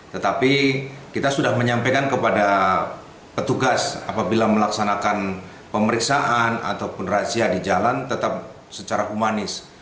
tetapi kita sudah menyampaikan kepada petugas apabila melaksanakan pemeriksaan ataupun razia di jalan tetap secara humanis